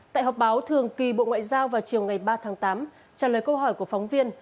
tại họp báo thường kỳ bộ ngoại giao vào chiều ngày ba tháng tám trả lời câu hỏi của phóng viên